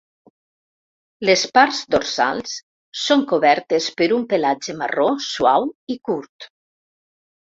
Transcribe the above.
Les parts dorsals són cobertes per un pelatge marró, suau i curt.